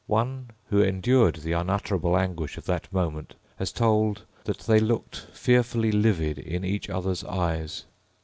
One who endured the unutterable anguish of that moment has told that they looked fearfully livid in each other's eyes.